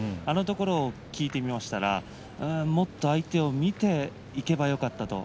そこを聞いてみたらもっと相手を見ていけばよかった。